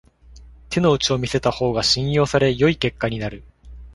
手の内を見せた方が信用され良い結果になる